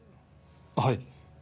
はい。